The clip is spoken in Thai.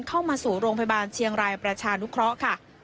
เข้ามาสู่โรงพยาบาลเชียงรายประชานุเคราะห์ค่ะ